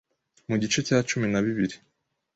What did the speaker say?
Mu gice cya Cumi na bibiri